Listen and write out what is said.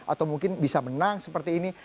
atau mungkin bisa menang seperti ini